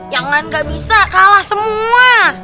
jangan gak bisa kalah semua